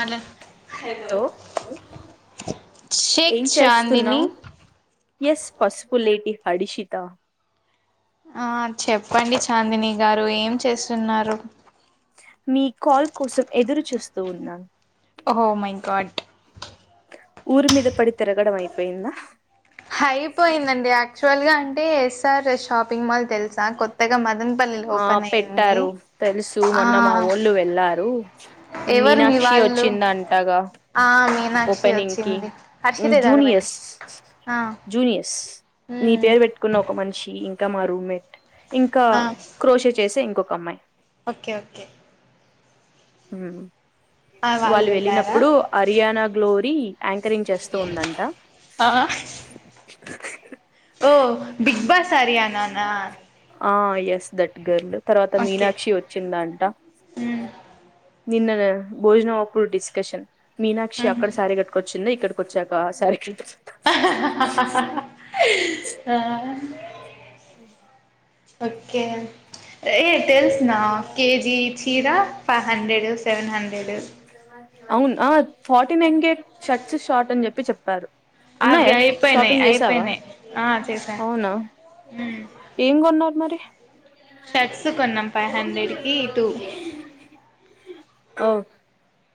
అల. హలో షేక్ ఏం చాందిని. చేస్తున్నావు ఎస్ పసుపులేటి హడిషిత. ఆ చెప్పండి చాందిని గారు, ఏం చేస్తున్నారు. మీ కాల్ కోసం, ఎదురు చూస్తూ ఉన్నా. ఓహో మైగాట్. ఊర్ మీద పడి తీరగడం అయిపోయిందా. హైయిపోయిందండి. యాక్చువల్ గా అంటే ఎస్. Sir [unintelligible] shop. ఆ ఓపెన్ అయ్యింది పెట్టారు. తెలుసు, ఆ మొన్న మా ఓళ్ళు వెళ్ళారు. ఎవరు మీ మీనాక్షి వాళ్ళు ఓచ్చిందంటగా. ఆ మీనాక్షి ఓపెనింగ్ కి. వచ్చింది హర్షిత ఇది ఆడబెట్టి జూనియర్స్, ఆ జూనియర్స్ నీ ఉమ్ పేరు పెట్టుకున్న ఒక మనిషి. ఇంక్ మా రూమ్ మేట్. ఇంకా ఆ క్రోషి చేసే, ఇంకొక్. కోమ్మాయి. Okay okay. హుమ్మ్. ఆ వాళ్ళు వెళ్ళారా వెళ్ళినప్పుడు, అర్యానా గ్లోరీ యాంకరింగ్ చేస్తూ ఉందంట. ఆ ఓ బిగ్ బాస్ అర్యానానా. ఆ ఎస్ దట్ గర్ల్. తర్వాత మీనాక్షి ఓచ్చిందాంట. ఉమ్ నిన్న నే. [unintelligible] భోజనం అప్పుడు డిస్కషన్. మీనాక్షి ఉహు అక్కడ సారి గట్టుకోచ్చింద, ఇక్కడ్ ఓచ్చాక సారీ. [unintelligible] ఆ. ఉహుమ్. ఓకే. ఏ తెలుస్నా కేజీ చీరా, ఫైవ్ హండ్రెడ్. [unintelligible] అవునా. [unintelligible] Forty nine. [unintelligible] షర్ట్స్, షార్ట్ అని చెప్పి చెప్పారు. అవి ఉన్నాయా అయిపోయినాయి షాపింగ్ చేసావా. అయిపోయినాయి ఆ చేసా అవునా ఉమ్ ఏంగోన్నార్ మరి. మత్త షర్ట్స్ కొన్నాం ఫైవ్ న వందు హండ్రెడ్ వె కి టూ లోవళగ ఓ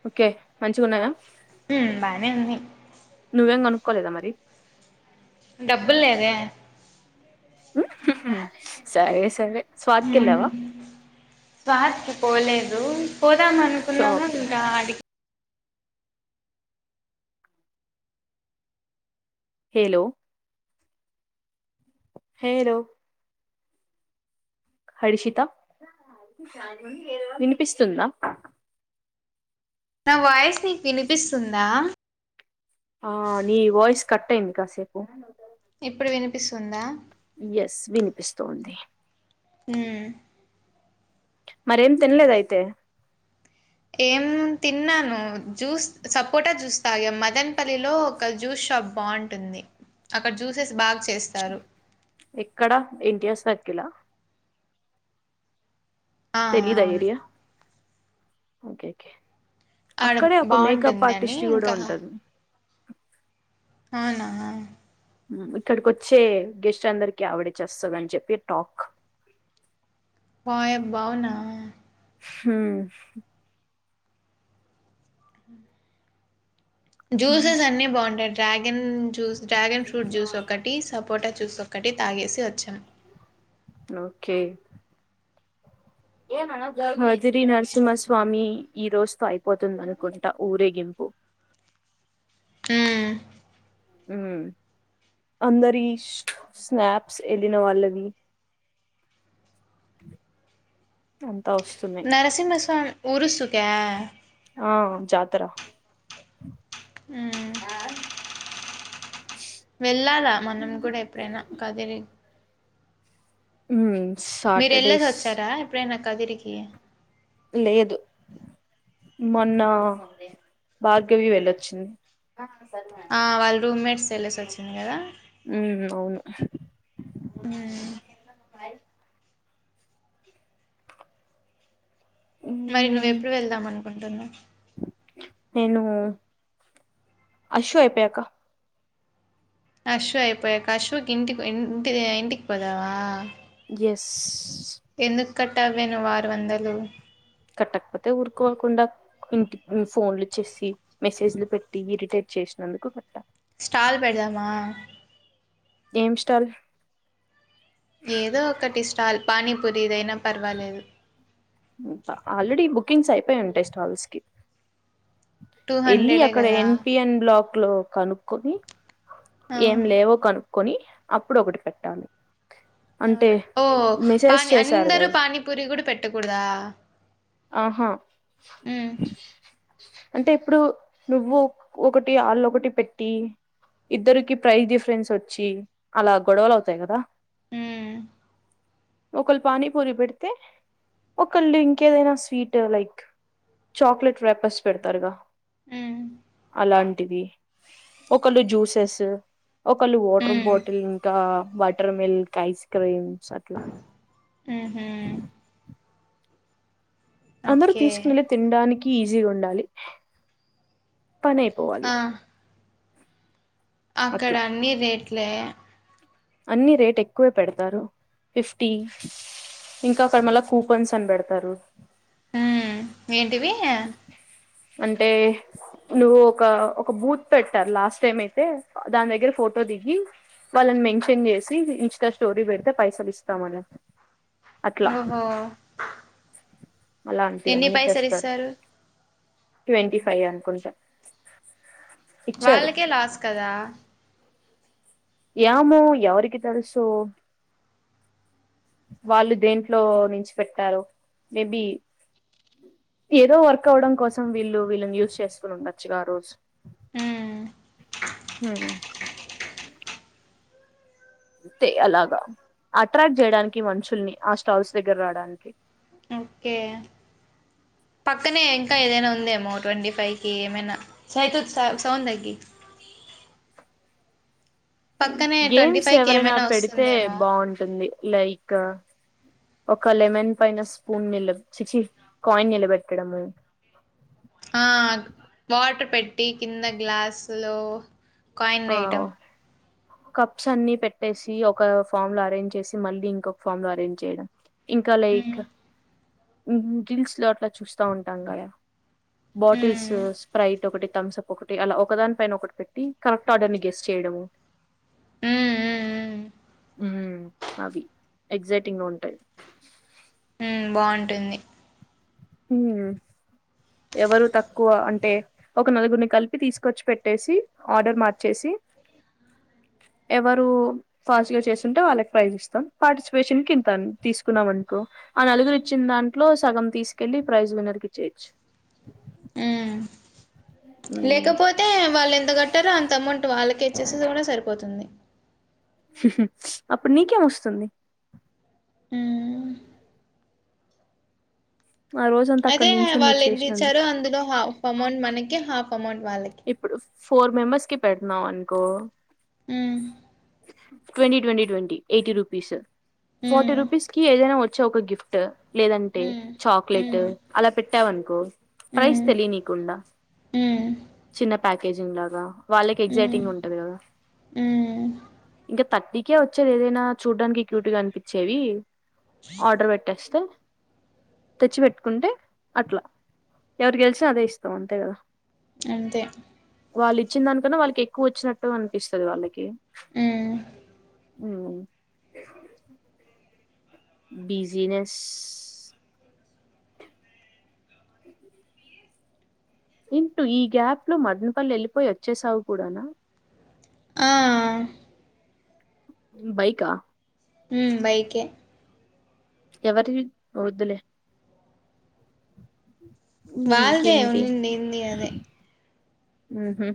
ఓకే మంచిగా ఉన్నాయా. హ్మ్ బాయ్ వెన్ని నువ్వేం కొనుకోలేదా మరి డబ్బులు లేవే హ్మ్ హు హు సరే సరే స్వాతికి హ్మ్ వెళ్ళావా స్వట్ [unintelligible] పోలే హలో [unintelligible] పోదాం అనుకున్నాము షాపింగ్ ఇంకా అడికి హేలో హే లో హరిషిత వినిపిస్తుందా నా వాయిస్ నీక్ వినిపిస్తుందా ఆ నీ వాయిస్ కట్ అయింది కాసేపు ఇప్పుడు వినిపిస్తుందా ఎస్ వినిపిస్తోంది హ్మ్ మరేం తినలేద అయితే ఏం తిన్నాను జ్యూస్ సపోటా జ్యూస్ తాగా మదన్ పల్లి లో ఒక జ్యూస్ షాప్ బాగుంటుంది అక్కడ జ్యూసెస్ బాగా చేస్తారు ఎక్కడ ఏం చేస్తార్ ఎలా ఆ తెలీదా అవున్ ఏరియా ఓకే ఓకే ఆడ అక్కడే ఒక మేకప్ బాగుంటుంది అని ఆర్టిస్ట్ కూడా ఇంకా ఉంటది అవునా ఇక్కడికిొచ్చే గెస్ట్ అందరికి ఆవిడచేస్తదని అని చెప్పి టాక్ పోయబ్ అవునా హ్మ్ జ్యూసెస్ అన్నిీ బాగుంటాయి dragon juice dragon fruit juice ఒకటి సపోటా జ్యూస్ ఒకటి తాగేసి వచ్చాం ఓకే బదిరి నరసింహస్వామి ఈ రోజుతో అయిపోతుంది అనుకుంటా ఊరేగింపు హ్మ్ హ్మ్మ్ అందరి ష్ స్నాప్స్ వెళ్ళిన వాళ్ళవి [unintelligible] నరసింహస్వామ్ ఉరుసుక్య ఆ జాతర ఆ వెళ్ళాదా మనం కూడా ఎప్పుడైనా కదిలి మ్ మీరు ఎళ్లేసి ఒచ్చారా ఎప్పుడైనా కదిరికి లేదు మొన్న భార్గవి వెళ్లొచ్చింది ఆ వాళ్ళ రూమ్మేట్స్ వెళ్లేసి వచ్చింద్ కదా మ్మ్ అవును మైదు నువ్వు మ్మ్ ఎప్పుడు వెళ్దాం అనుకుంటున్నావు నేను అశో అయిపోయాక ఆషు అపోయాక ఆషుక్ ఇంటి ఇంటి ఇంటికి పోతావా ఎస్ ఎందుక్ పెట్టావేనువ్వు ఆరు వందలు కట్టకపోతే ఊరుకోకుండా ఇంటి ఫోన్లు చేసి మెసేజ్లు పెట్టి ఇరిటేట్ చేసినందుకు కట్టా స్టాల్ పెడదామా ఏం స్టాల్ ఏదో ఒకటి స్టాల్ పానీపూరిదైనా పర్వాలేదు ఆ ఆల్రెడీ బుకింగ్స్ అయిపోయి ఉంటాయి స్టాల్స్ కి టూ ఎళ్ళి హండ్రెడే అక్కడ కదా ఎన్పీఎన్ బ్లాక్ లో కనుక్కొనీ ఆ ఏం లేవు కను కొని అప్పుడు ఒకటి పెట్టాలి అంటే అవునా ఓ మెసేజ్ పానీ చేశారు అందరు కదా పానీ పూరి కూడా పెట్టకూడదా ఆహా మ్మ్ అంటే ఎప్పుడూ నువ్వు ఒకటి ఆళ్ళు ఒకటి పెట్టీ ఇద్దరికి ప్ప్రైస్ డిఫరెన్స్ వచ్చి అలా గొడవలు అవుతాయి కదా మ్మ్ ఒకళ్ పానీపూరి పెడితే ఒకళ్ళు ఇంకేదైనా స్వీట్ లైక్ చాక్లెట్ రేపర్స్ పెడతారుగా మ్ లాంటివి ఒకళ్ళు జూస్ ఎస్ ఒకళ్ళు వాటర్ మ్మ్ బాటిల్ ఇంకా వాటర్ మిల్క్ ఐస్క్రీమ్ మ్ హ్ అందరు తీసుకెళ్ళి తినడానికి ఈజీగా ఉండాలి పని అయిపోవాలి ఆ అక్కడ అట్లా అన్ని రేట్ల్ ప్లే అన్ని రేట్ ఎక్కువే పెడతారు. ఫిఫ్టీ ఇంకా అక్కడ మళ్ళా కూపన్స్ అన్ పెడతారు. హహ్ ఏంటిదియ్ అంటే నువ్వు ఒక ఒక బూత్ పెట్టారు. లాస్ట్ టైం అయితే దాని దగ్గర ఫోటో దిగి. వాళ్ళని మెన్షన్ చేసి ఇన్స్టా స్టోరీ పెడితే పైసలు ఇస్తామనేసి. ఓ హొ ఎన్ని అలాంటివన్నీ పైసల్ చేస్తారు ఇస్తారు. ట్వంటీ ఫైవ్ అనుకుంటా. ఇచ్చారు వాళ్ళకే లాస్ కదా యామో ఎవరికి తెలుసు. వాళ్ళు దేంట్లో నించి పెట్టారో. మేబి ఏదో వర్క్ అవడం కోసం. వీళ్ళు వీళ్ళని యూజ్ చేసుకుని ఉండొచ్చుగా రోజు. హ్మ్ హ్మ్ అంతే అలాగా అట్రాక్ట్ చేయడానికి మనుషుల్ని. ఆ స్టాల్స్ దగ్గర్ రాడానికి. ఓకే పక్కనే ఇంకా ఏదైనా ఉందేమో ట్వంటీ ఫ్ పైకి ఏమైనా. సయితు సౌ సౌండ్దగి. హ్మ్ గేమ్స్ ఫైవ్ కి ఎవరైనా ఏమైనా పెడితే వస్తుందేమో బాగుంటుంది. లైక్ ఒక లెమన్ పైన స్పూన్ నిలబ్. చిచి. కాయిన్ నిలబెట్టడము. ఆ వాటర్ పెట్టి కింద గ్లాస్లో కాయిన్ ఆ వేయ్టం కప్స్ అన్ని పెట్టేసి. ఒక ఫామ్ లో అరేంజ్ చేసి. మళ్ళీ ఇంకొక ఫామ్ లో అరేంజ్ చేయడం. ఇంకా హ్మ్ లైక్ ఉహ్మ్ డిల్స్ లో అట్లా చూస్తా ఉంటాం గద. బాటిల్స్, హ్మ్ స్ప్రైట్ ఒకటి థమ్స్ప్ ఒకటి అలా. ఒక దాని పైన ఒకటి పెట్టి. కరెక్ట్ ఆర్డర్ని గెస్ చేయడము. హ్మ్ హ్మ్ హ్మ్ అవి ఎగ్జైటింగ్ గా ఉంటాయి. ఉమ్ బావుంటుంది. హ్మ్ ఎవరు తక్కువ అంటే. ఒక నలుగుర్ని కలిపి తీసుకొచ్చి పెట్టేసి. ఆర్డర్ మార్చేసి ఎవరు ఫాస్ట్ గా చేస్తుంటే. వాళ్ళకి ప్రైజ్ ఇస్తాం. పార్టిసిపేషన్ కింతా తీసుకున్నాం అనుకో. ఆ నలుగురు ఇచ్చిన దాంట్లో సగం తీస్ కెల్లీ ప్రైజ్ విన్నర్కి చేయ్చ్ హ్మ్ లేకపోతే వాళ్ళెంత్ ఏంత గట్టలో అంత అమౌంట్ వాళ్ళకే ఇచ్చేస్తేదే కూడా సరిపోతుంది. అప్పుడు నీకేమొస్తుంది. మ్మ్ ఆ రోజంతా అక్కడ అయితే నించుని నువ్వు వాళ్ళు ఎంత్ ఇచ్చారో. చేసినందుకు అందులో హాఫ్ అమౌంట్ మనకి హాఫ్ ఆమన్ట్ వాళ్ళకి ఇప్పుడు ఫోర్ మెంబర్స్కి పెట్టినావ్ అనుకో. మ్ twenty twenty twenty eighty rupees. Forty మ్మ్ రూపీస్కి ఏదైనా వ ఇచ్చ ఒక గిఫ్ట్ లేదంటే చాక్లెట్ మ్మ్ అలా పెట్. కొట్టావనుకు ప్రైస్ మ్మ్ తెలినీకుండా మ్మ్ మ్మ్ చిన్న ప్యాకేజింగ్ లాగా వాళ్ళకి మ్మ్ ఎగ్జైటింగ్ ఉంటది కదా. మ్మ్ ఇంకా థర్టీకే వచ్చేది ఏదైనా చూడ్డానికి క్యూట్ గా అనిపించేవి. ఆర్డర్ పెట్టేస్తే తెచ్చి పెట్టుకుంటే అట్లా ఏది గెలిస్తే అదే ఇస్తాం అంతే కదా. అంతే. వాళ్ళు ఇచ్చిన దానికన్నా వాళ్ళకి ఎక్కువ వచ్చినట్టు అనిపిస్తది వాళ్ళకి. మ్ మ్ బిజీనెస్. ఇంటూ ఈ గ్యాప్ లో మదనపల్లి వెళ్ళిపోయి వచ్చేసావు కూడానా. ఆ మ్ బైకా ఉమ్ బైకే. ఎవర్కి వద్దులే. ఉమ్, వాళ్దే ఉండింది ఉంది అదే. ఉమ్హ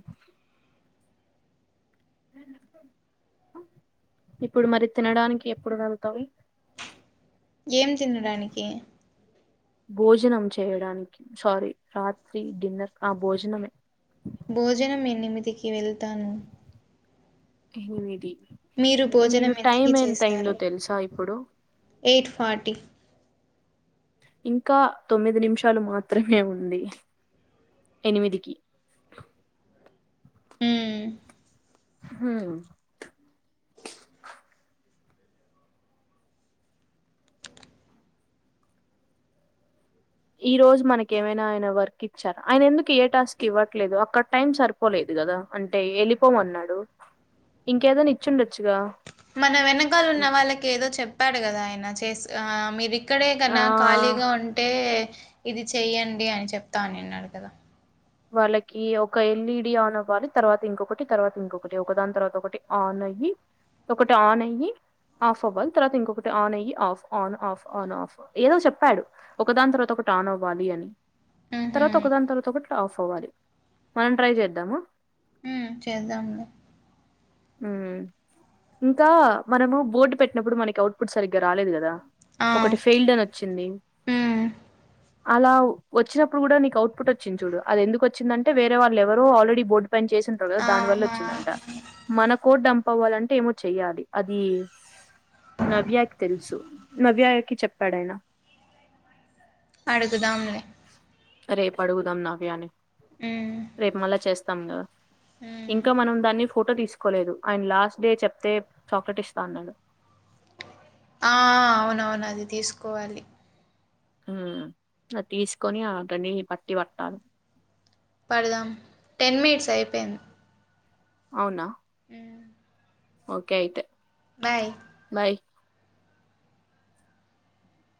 ఇప్పుడు మరి తినడానికి ఎప్పుడు వెళ్తావు ఏం తిండానికి భోజనం చేయడానికి సారీ, రాత్రి డిన్నర్ ఆ భోజనమే. భోజనం ఎనిమిదికి వెళ్తాను. ఎనిమిది భోజనం మీరు ఎంతకి టైమ్ ఎంత అయిందొ చేస్తారు తెలుసా ఇప్పుడు. Eight forty. ఇంకా తొమ్మిది నిమిషాలు మాత్రమే ఉంది ఎనిమిదికి. హమ్ హూమ్ ఈ రోజు మనకి ఏమైనా ఆయన వర్క్ ఇచ్చారా ఆయన ఎందుకు ఏ టాస్క్ ఇవ్వట్లేదు. ఇంకేదన్న ఇచ్చుండొచ్చుగా. మన వెనకాల ఉన్న వాళ్ళకి ఏదో చెప్. చెప్పాడు కదా ఆయన చేసి ఆ మీది. ఇక్కడే ఆ కన్న ఖాళీగా ఉంటే. ఇది చెయ్యండి అని చెప్తా అని అన్నాడు కదా వాళ్ళకి ఒక ఎల్ఈడి ఆన్ అవ్వాలి తర్వాత ఇంకొకటి తర్వాత ఇంకొకటి ఒకదాని తర్వాత ఒకటి ఆన్ అయ్యి ఒకటి ఆన్ అయి ఆఫ్ అవ్వాలి తర్వాత ఇంకొకటి ఆన్ అయ్యి off on off on off ఏదో చెప్పాడు ఒకదాని తర్వాత ఒకటి ఆన్ అవ్వాలి అని ఉహు తర్వాత ఒక దాని తర్వాత ఒకటి ఆఫ్ అవ్వాలి మనం ట్రై చేద్దాము హూ చేద్దాంలే హూ ఇంకా మనము బోర్డు పెట్టినప్పుడు మనకి అఔట్పుట్ సరిగ్గా రాలేదు కదా ఆ ఒకటి ఫెయిల్డ్ అని వచ్చింది హ్మ్ అలా వచ్చినప్పుడు కూడా నీకు అవుట్పుట్ వచ్చింది చూడు అది ఎందుకు వచ్చిందంటే వేరే వాళ్ళ ఎవరో ఆల్రెడీ బోర్డు పని చేసినంటారు కదా దాని వల్ల ఆహా వచ్చిందంట డంంప్ అవ్వాలంటే ఏమో చెయ్యాలి అది నవ్యాకి తెలుసు నవ్యాకి చెప్పాడుయన అడుగుదాంలే రేపు అడుగుదాం నవ్యాని హ్మ్ రేపు మళ్ళా చేస్తా తం కదా హ్మ్ ఇంకా మనం దాన్ని ఫోటో తీసుకోలేదు అయండ్ లాస్ట్ డే చెప్తే చాక్లెట్ ఇస్తా అన్నాడు ఆ అవునవును అది తీసుకోవాలి హూ తీసుకొని అతని పట్టి పట్టాలి పడదాం టెన్ మినిట్స్ అయిపోయింది అవునా ఓకే అయితే బయ్ బాయ్.